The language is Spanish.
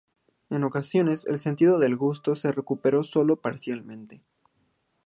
En ocasiones el sentido del gusto se recupera sólo parcialmente.